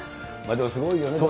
でもすごいよね。